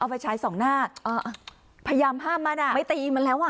ไฟฉายสองหน้าอ่าพยายามห้ามมันอ่ะไม่ตีมันแล้วอ่ะ